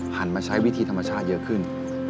มาใช้วิธีธรรมชาติเยอะขึ้น